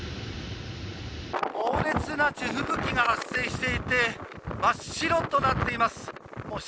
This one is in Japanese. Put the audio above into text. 猛烈な地吹雪が発生していて真っ白となっています。